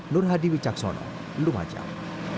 nur hadi wicaksono lumajang